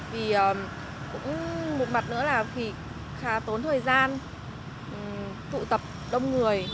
vì cũng một mặt nữa là vì khá tốn thời gian tụ tập đông người